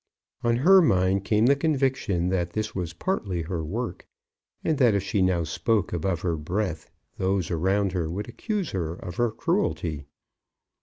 On her mind came the conviction that this was partly her work, and that if she now spoke above her breath, those around her would accuse her of her cruelty.